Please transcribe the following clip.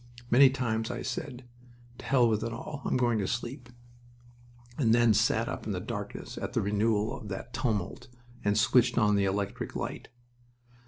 Many times I said, "To hell with it all... I'm going to sleep," and then sat up in the darkness at the renewal of that tumult and switched on the electric light.